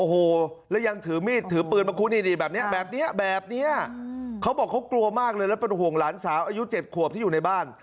โอ้โหแล้วยังถือมีดถือปืนมาขู่นี่แบบนี้แบบนี้เขาบอกเขากลัวมากเลยแล้วเป็นห่วงหลานสาวอายุ๗ขวบที่อยู่ในบ้าน